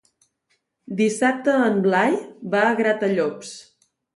Dissabte en Blai va a Gratallops.